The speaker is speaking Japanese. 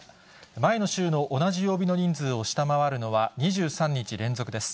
前の週の同じ曜日の人数を下回るのは２３日連続です。